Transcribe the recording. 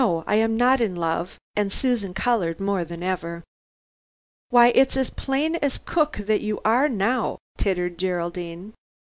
I am not in love," and Susan colored more than ever. "Why, it's as plain as cook that you are, now," tittered Geraldine.